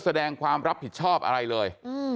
แสดงความรับผิดชอบอะไรเลย